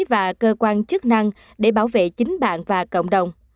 và cơ quan chức năng để bảo vệ chính bạn và cộng đồng